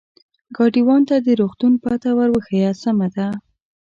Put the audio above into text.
ګاډیوان ته د روغتون پته ور وښیه، سمه ده.